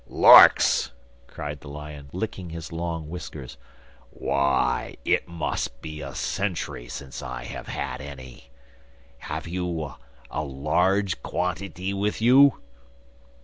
'Larks?' cried the lion, licking his long whiskers. 'Why, it must be a century since I have had any! Have you a large quantity with you?